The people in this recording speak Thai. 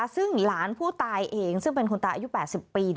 ซึ่งหลานผู้ตายเองซึ่งเป็นคุณตาอายุ๘๐ปี